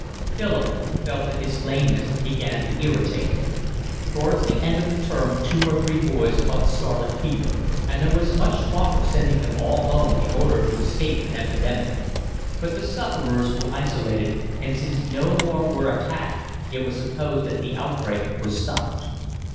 Philip felt that his lameness began to irritate him. Towards the end of the term two or three boys caught scarlet fever, and there was much talk of sending them all home in order to escape an epidemic; but the sufferers were isolated, and since no more were attacked it was supposed that the outbreak was stopped.